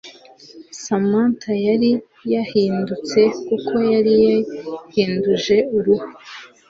Samantha yari yahindutse kuko yari yarihinduje uruhu